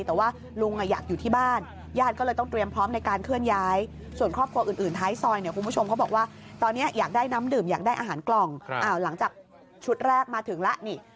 หาอาหารกล่องหลังจากชุดแรกมาถึงแล้วนี่